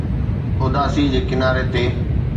اداسي جي ڪناري تي